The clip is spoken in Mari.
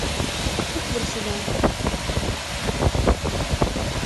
— Ит вурседал...